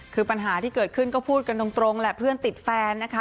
คือปัญหาที่เกิดขึ้นก็พูดกันตรงแหละเพื่อนติดแฟนนะคะ